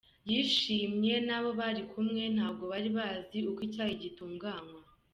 Yishimye n’abo bari kumwe, ntabwo bari bazi uko icyayi gitunganywa.